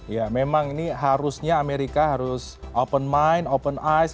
ya memang ini harusnya amerika harus open mind open ice